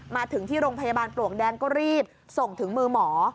มาถึงที่โรงพยาบาลปลวกแดงก็รีบส่งถึงมือหมอ